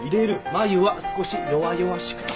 マユは少し弱々しくと。